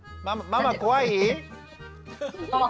ママ怖い？